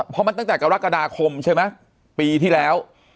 เพราะมันตั้งแต่กรกฎาคมใช่ไหมปีที่แล้ว